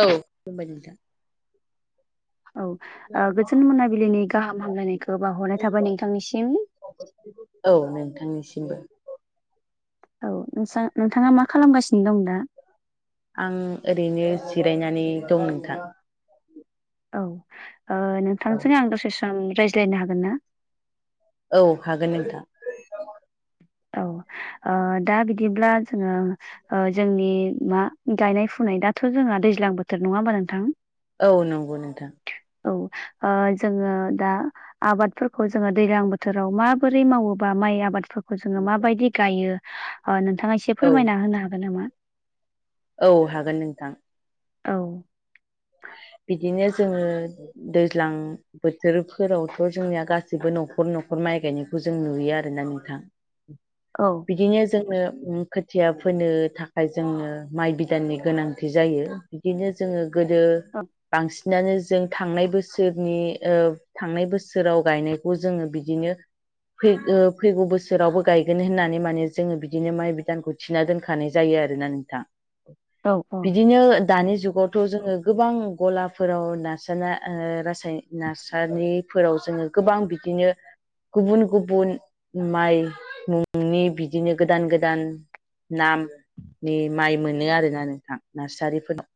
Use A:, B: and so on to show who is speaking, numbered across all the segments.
A: औ हबाय नोंथां
B: औ ओ गोजोन मोनाबिलिनि गाहाम हामलायनायखौ बावहरनाय थाबाय नोंथांनिसिम
A: औ नोंथांनिसिमबो
B: औ नों नोंथांङा मा खालामगासिनो दं दा
A: आं ओरैनो जिरायनानै दं नोंथां
B: औ ओ नोंथांजों आं दसे सम रायज्लायनो हागोन ना?
A: औ हागोन नोंथां
B: औ ओ दा बिदिब्ला जोंङो ओ जोंनि मा गायनाय फुनाय दाथ' जोंहा दैज्लां बोथोर नंङा होमबा नोंथां
A: औ नंगौ नोंथां
B: औ ओ जोंङो दा आबादफोरखौ जोंङो दैलां बोथोराव माबोरै मावोबा माइ आबादफोरखौ जोंङो माबायदि गायो ओ नोंथाङा एसे
A: औ
B: फोरमायना होनो हागोन नामा?
A: औ हागोन नोंथां
B: औ
A: बिदिनो जोंङो दैज्लां बोथोरफोरावथ' जोंनिया गासैबो न'खर न'खर माइ गायनायखौ जों नुयो आरोना नोंथां
B: औ
A: बिदिनो जोंनो खोथिया फोनो थाखाय जोंनो माइ बिदाननि गोनांथि जायो। बिदिनो जोंङो गोदो बांसिनानो जों थांनाय बोसोरनि थांनाय बोसोराव गायनायखौ जोंङो बिदिनो फै फैगौ बोसोरावबो गायगोन होननानै माने जोंङो बिदिनो माइ बिदानखौ थिना दोनखानाय जायो आरोना नोंथां
B: औ औ
A: बिदिनो दानि जुगावथ' जोङो गोबां गलाफोराव नारसा रासाय नारसारिफोराव जोंङो गोबां बिदिनो गुबुन गुबुन माइ मुंनि बिदिनो गोदान गोदान नामनि माइ मोनो आरोना नोंथां नार्सारिफोरनाव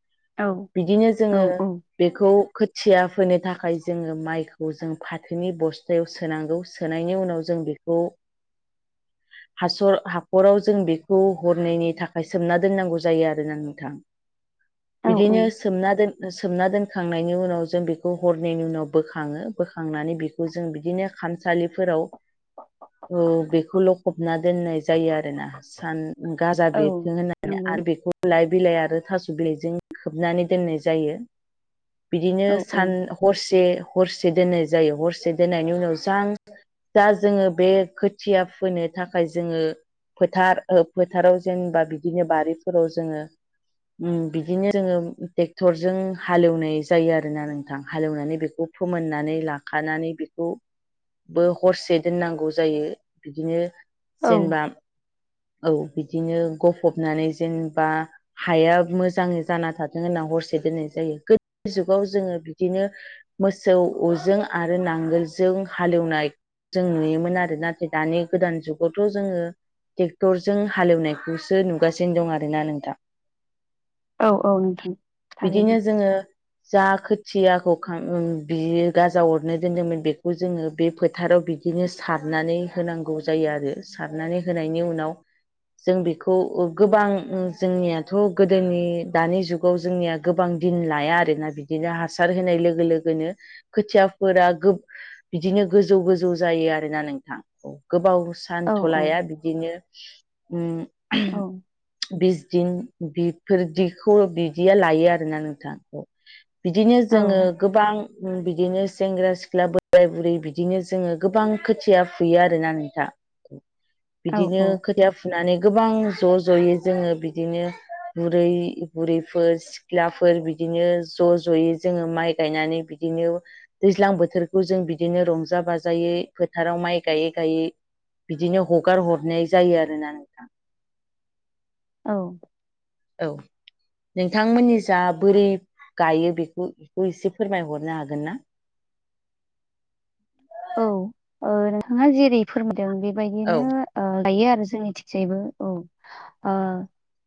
B: औ
A: बिदिनो
B: औ
A: जोंङो
B: औ
A: बेखौ खोथिया फोनो थाखाय जोंङो माइखौ जों फाथोनि बस्थायाव सोनांगौ सोनायनि उनाव जों बेखौ
B: [inaudible]
A: हासर हाखराव जों बेखौ हरनायनि थाखाय सोमना दोननांगौ जायो आरोना नोंथां
B: [inaudible]
A: बिदिनो
B: औ
A: सोमना दोन सोमना दोनखांनायनि उनाव जों बेखौ हरननायनि उनाव बोखाङो बोखांनानै बे खौ जों बिदिनो खामसालिफोराव
B: [inaudible]
A: औ बेखौल' लखबना दोननाय जायो आरोना सान गाजा
B: औ
A: बेरथों होननानै
B: नंगौ
A: आरो बेखौ लाइ बिलाइ आरो थास' बिलाइजों खोबनानै दोननाय जायो बिदिनो
B: औ औ
A: सान हरसे हरसे दोननाय जायो हरसे दोननायनि उनाव जां दा जोंङो बे खोथिया फोनो थाखाय जोंङो फोथार फोथाराव जेनेबा बिदिनो बारिफोराव जोंङो बिदिनो जोंङो क्टरजों हालेवनाय जायो आरोना नोंथां हालेवनानै बेखौ फोमोननानै लाखानानै बेखौ बो हरसे दोननांगौ जायो बिदिनो
B: औ
A: जेनेबा औ बिदिनो गफबनानै जेनेबा हाया मोजांङै जाना थाथों होनना हरसे दोननाय जायो गोदो जुगाव जोंङो बिदिनो मोसौ अजों आरो नांगोलजों हालेवनाय जों नुयोमोन आरो, नाथाय दानि गोदान जुगावथ' जोंङो ट्रेक्टरजों हालेवनायखौसो नुगासिनो दं आरो ना नोंथां
B: औ औ नोंथां।
A: बिदिनो
B: थारैनो
A: जोंङो जा खोथियाखौ खां ओ बियो गाजा अरनो दोनदोंमोन बेखौ जोङो बे फोथाराव बि बिदिनो सारनानै होनांगौ जायो आरो सारनानै होनायनि उनाव जों बेखौ ओ गोबां जोंनियाथ' गोदोनि दानि जुगाव जोंनिया गोबां दिन लाया आरोना बिदिनो हासार होनाय लोगो लोगोनो खोथियाफोरा गोब बिदिनो गोजौ गोजौ जायो आरोना नोंथां। गोबाव
B: औ
A: सान्थ'
B: औ
A: लाया बिदिनो उम
B: औ
A: बिसदिन बिफोरदिखौ बिदिया लायो आरोना नोंथां। बिदिनो
B: औ
A: जोङो गोबां बिदिनो सेंग्रा सिख्ला बोराय बुरै बिदिनो जोङो गोबां खोथिया फुयो आरोना नोंथा
B: औ
A: बिदिनो खोथिया फुनानै गोबां ज' ज'यै जोङो बिदिनो बुरै बुरै फोर सिख्लाफोर बिदिनो ज' ज'यै जोङो माइ गायनानै बिदिनो दैज्लां बोथोरखौ जों बिदिनो रंजा बाजायै फोथाराव माइ गायै गायै बिदिनो हगार हरनाय जायो आरोना नोंथां
B: औ।
A: औ। नोंथांमोननि जा बोरै गायो बेखौ बो एसे फोरमायहरनो हागोन ना?
B: औ ओ नोंथाङा जेरै फोरमदों बेबायदिनो
A: औ
B: गायो आरो जोंनि थिगजायैबो औ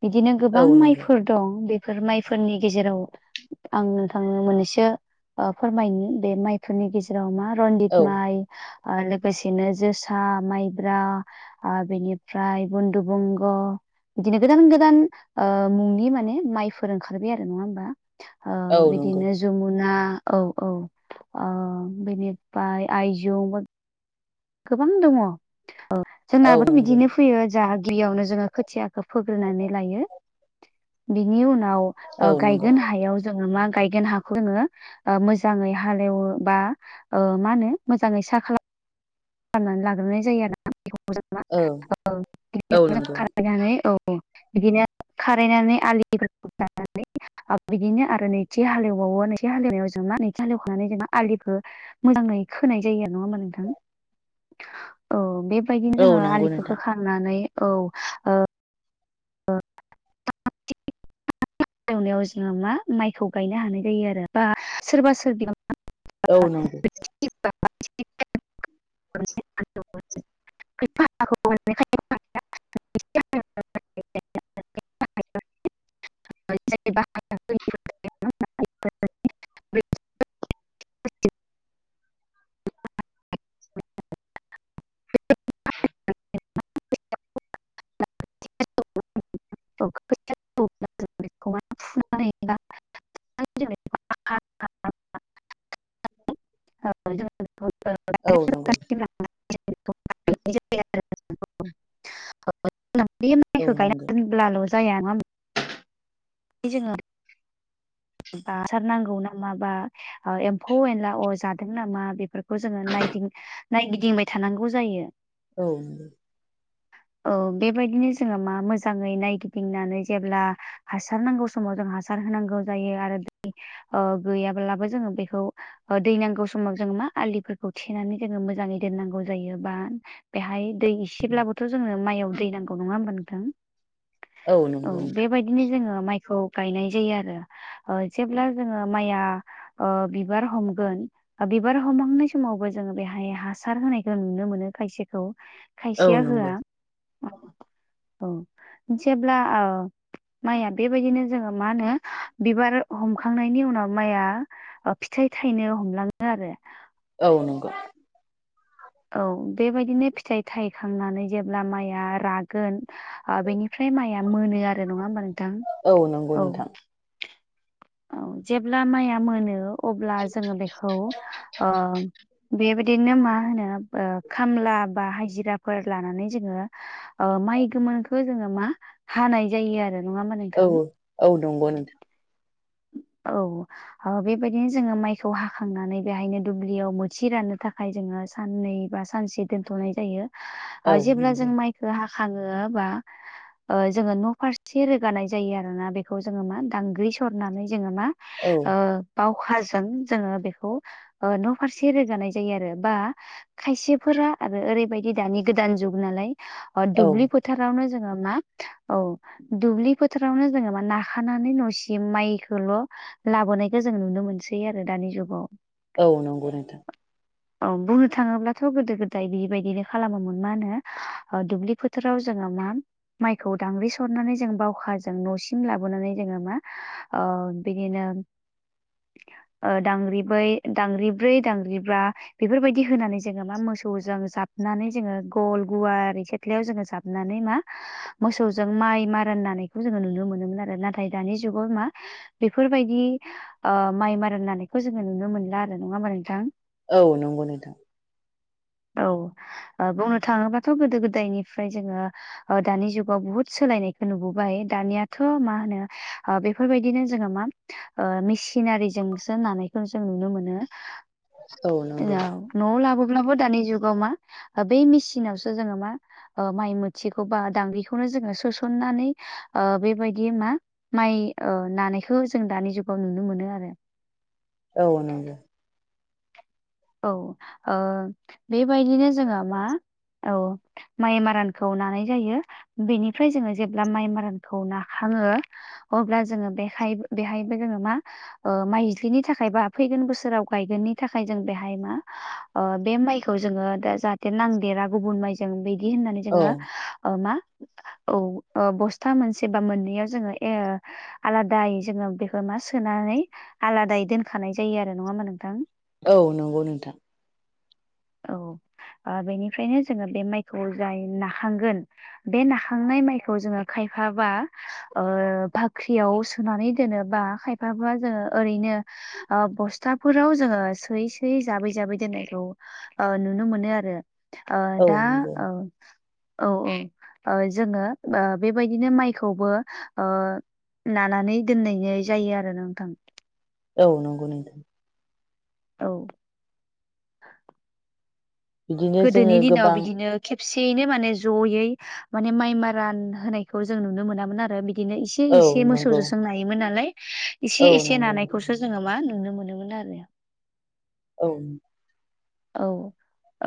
B: बिदिनो गोबां
A: नंगौ
B: माइफोर दं बेफोर माइफोरनि गेजेराव आं नोंथांनो मोननैसो फोरमायनो बे माइफोरनि गेजेराव मा रन
A: औ
B: माइ ओ लोगोसेनो जोसा माइब्रा बेनिफ्राय बन्धु बंग बिदिनो गोदान गोदान ओ मुंनि माने माइफोर ओंखारबाय आरो नङा होमबा ओ
A: औ नंगौ
B: बिदिनो जमुना औ औ ओ बिनि फ्राय आयजौ गोबां दङ औ
A: औ
B: जोंनाबो
A: नंगौ
B: बिदिनो फैयो जों गिबियावनो जोङो खोथियाखौ फोग्रोननानै लायो बिनि उनाव
A: औ नंगौ
B: गायगोन हायाव जोङो मा गायगोन हाखौ जोङो मोजाङै हालेवो बा मा होनो मोजाङै सा खालाम खालामनानै लाग्रोनाय जायो आरो ना
A: औ औ नंगौ
B: [unintelligible] बिदिनो खारायनानै आलिफोरखौ दाननानै बिदिनो आरो नैथि हालेवबावो नैथि हालेवनायाव जों मा नैथि हालेवखांनानै जोंना आलिखौ मोजाङै खोनाय जायो आरो नङा होमबा नोंथां औ बेबायदिनो
A: औ
B: ओ
A: नंगौ
B: आलिखौ
A: नोंथां
B: खोखांनानै औ [unintelligible] एवनायाव जोङो मा माइखौ गायनो हानाय जायो आरो बा सोरबा सोरबियाव
A: औ नंगौ
B: खायफा हाखौ माने [unintelligible] [unintelligible] [unintelligible] [unintelligible] [unintelligible] [unintelligible] [unintelligible]
A: औ नंगौ औ
B: माइखौ गायना
A: नंगौ
B: दोनब्लाल' जाया नङा जोङो बा हासार नांगौ नामा बा एम्फौ एनला अ जादों नामा बेफोरखौ जोङो नायदिं नायगिदिंबाय थानांगौ जायो
A: औ नंगौ।
B: औ बेबायदिनो जोङो मा मोजाङै नायगिदिंनानै जेब्ला हासार नांगौ समाव जों हासार होनांगौ जायो आरो दै ओ गैयाब्लाबो जोङो बेखौ ओ दै नांगौ समाव जोङो मा आलिफोरखौ थेनानै जोङो मोजाङै दोननांगौ जायो बा बेहाय दै इसेब्लाबोथ' जोंनो माइआव दै नांगौ नङा होनोमबा नोंथां? औ
A: नंगौ
B: बेबायदिनो जोङो माइखौ गायनाय जायो आरो। ओ जेब्ला जोङो माइआ ओ बिबार हमगोन बिबार हमहांनाय समावबो जोङो बेहाय हासार होनायखौ नुनो मोनो खायसेखौ
A: औ
B: खायसेया
A: नंगौ नोंथां
B: होआ औ जेब्ला औ माइआ बेबायदिनो जोङो मा होनो बिबार हमखांनायनि उनाव माइआ ओ फिथाइ थायनो हमलाङो आरो।
A: औ नंगौ।
B: औ बेबायदिनो फिथाइ थाइखांनानै जेब्ला माइआ रागोन ओ बेनिफ्राय माइया मोनो आरो नङा होमबा नोंथां?
A: औ नंगौ नोंथां।
B: औ जेब्ला माइआ मोनो अब्ला जोङो बेखौ ओ बेबा बिदिनो मा होनो ओ खामला बा हाजिराफोर लानानै जोङो ओ माइ गोमोनखौ जोङो मा हानाय जायो आरो। नङा होमबा
A: औ
B: नोंथां
A: औ नंगौ नोंथां।
B: औ बेबायदिनो जोङो माइखौ हाखांनानै बेहायनो दुब्लियाव मोथि राननो थाखाय जोङो साननै बा सानसे दोनथ'नाय जायो।
A: औ
B: ओ जेब्ला जों
A: नंगौ
B: माइ खो हाखाङो बा ओ जोङो न'फारसे रोगानाय जायो आरोना बेखौ जोङो मा दांग्रि सरनानै जोङो मा
A: औ
B: ओ बावखाजों जोङो बेखौ ओ न'फारसे रोगानाय जायो आरो। बा खायसेफोरा आरो ओरैबायदि दानि गोदान जुग नालाय ओ
A: औ
B: दुब्लिफो फोथारावनो जोङो मा औ दुब्लि फोथारावनो जोङो मा नाखानानै न'सिम बिदि माइखौल' लाबोनायखौ जों नुनो मोनसै आरो दानि जुगाव।
A: औ नंगौ नोंथां।
B: [inaudible] औ बुंनो थाङोब्लाथ' गोदो गोदाय बिबायदिनो खालामोमोन मा होनो ओ दुब्लि फो थाराव जोङो मा माइखौ दांग्रि सरनानै जोङो बावखाजों न'सिम लाबोनानै जोङो मा ओ बिनिनो ओ दांग्रिबै दांग्रिब्रै दांग्रिब्रा बेफोरबायदि होनानै जोङो मा मोसौजों जाबनानै जोङो गल गुवार सिथ्लायाव जोङो जाबनानै मा मोसौजों माइ मारानानायखौ जोङो नुनो मोनोमोन आरो नाथाय दानि जुगाव मा बेफोरबायदि ओ माइ मारा नानायखौ जोङो नुनो मोनला आरो नङा होमबा नोंथां?
A: औ नंगौ नोंथां।
B: औ ओ बुंनो थाङोबाथ' गोदो गोदायनिफ्राय जोङो ओ दानि जुगाव बुहुथ सोलायनायखौ नुबोबाय दानियाथ' मा होनो ओ बेफोरबायदिनो जोङो मा ओ मेचिनारिजोंसो नानायखौ जों नुनो मोनो। औ न'आव लाबोब्लाबो दानि जुगाव मा बै मेचिनावसो जोङो मा ओ माइ मोथिखौ बा दांग्रिखौनो जोङो सोसननानै ओ बेबायदि मा माइ ओ नानायखौ जों दानि जुगाव नुनो मोनो आरो।
A: औ नंगौ।
B: औ ओ बेबायदिनो जोङो मा औ माइ मारानखौ नानाय जायो बेनिफ्राय जोङो जेब्ला माइ मारानखौ नाखाङो अब्ला जोङो बेहाय बेहायबो जोङो मा ओ माइज्लिनि थाखाय बा फैगोन बोसोराव गायगोननि थाखाय जों बेहा हाय मा ओ बे मायखौ जोङो दा जाहाथे नांदेरा गुबुन माइजों बिदि होननानै
A: औ
B: जोङो ओ मा औ ओ बस्था मोनसे बा मोननैयाव जोङो ए आलादायै जोङो बेखौ मा सोनानै आलादायै दोनखानाय जायो आरो नङा होनबा नोंथां?
A: औ नंगौ नोंथां
B: औ ओ बेनिफ्रायनो जोङो बे माइखौ जाय नाखांगोन बे नाखांनाय माइखौ जोङो खायफाबा ओ बाख्रियाव सोनानै दोनो बा खायफाबा जोङो ओरैनो ओ बस्थाफोराव जोङो सोयै सोयै जाबै जाबै दोननायखौ ओ नुनो मोनो आरो ओ
A: औ
B: दा
A: नंगौ
B: औ औ औ ओ जोङो ओ बेबायदिनो माइखौबो ओ लानानै दोननाय जायो आरो नोंथां
A: औ नंगौ नोंथां
B: औ
A: बिदिनो
B: गोदोनि
A: जोङो
B: दिनाव
A: गोबां
B: बिदिनो खेबसेयैनो माने जयै माने माइ मारान होनायखौ जों नुनो मोनामोन आरो बिदिनो इसे
A: औ
B: इसे मोसौ
A: नंगौ
B: जोंसो नायोमोन नालाय
A: औ
B: इसे इसे
A: नंगौ नोंथां
B: नानायखौसो जोङो मा नुनो मोनोमोन आरो
A: औ
B: औ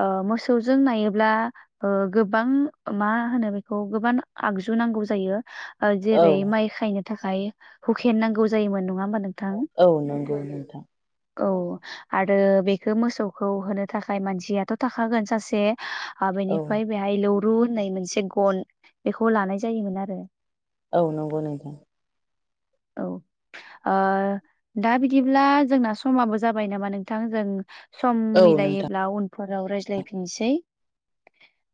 B: ओ मोसौजों नायोब्ला ओ गोबां मा होनो बेखौ गोबां आगजु नांगौ जायो ओ
A: औ
B: जेरै माइ खायनो थाखाय हुकेन नांगौ जायोमोन नङा होमबा नों
A: औ नंगौ नोंथां
B: औ आरो बेखौ मोसौखौ होनो थाखाय मानसियाथ' थाखागोन सासे आ
A: औ
B: बेनिफ्राय बेहाय लौरु होननाय मोनसे गन बेखौ लानाय जायोमोन आरो
A: औ नंगौ नोंथां
B: औ ओ दा बिदिब्ला जोंना समाबो जाबाय नामा नोंथां जों सम
A: औ नोंथां
B: मिलायोब्ला उनफोराव रायज्लायफिनसै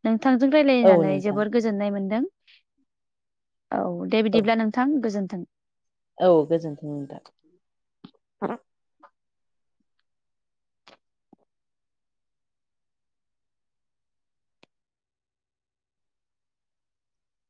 B: नोंथांजों
A: औ
B: रायलायनानै
A: नोंथां
B: जोबोर गोजोननाय मोनदों औ दे
A: औ
B: बिदिब्ला नोंथां गोजोन्थों
A: औ गोजोन्थों नोंथां।